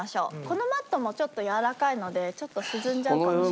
このマットもちょっとやわらかいのでちょっと沈んじゃうかも。